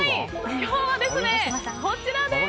今日はこちらです！